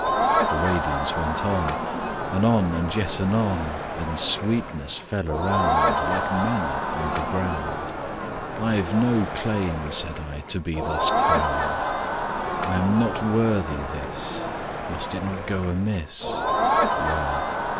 The radiance went on Anon and yet anon, And sweetness fell around Like manna on the ground. "I've no claim," Said I, "to be thus crowned: I am not worthy this:— Must it not go amiss?— Well